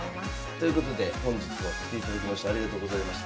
ということで本日は来ていただきましてありがとうございました。